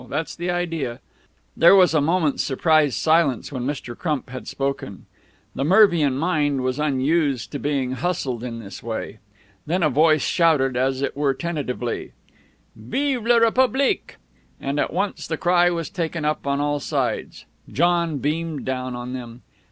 That's the idea." There was a moment's surprised silence when Mr. Crump had spoken. The Mervian mind was unused to being hustled in this way. Then a voice shouted, as it were tentatively, "Vive la Republique!" and at once the cry was taken up on all sides. John beamed down on them.